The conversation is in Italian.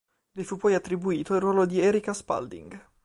Le fu poi attribuito il ruolo di Erika Spalding.